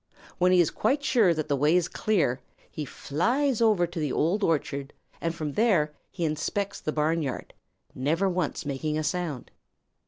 When he is quite sure that the way is clear, he flies over to the Old Orchard, and from there he inspects the barnyard, never once making a sound.